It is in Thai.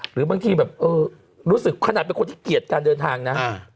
หรือบางทีแบบเออรู้สึกขนาดเป็นคนที่เกลียดการเดินทางนะ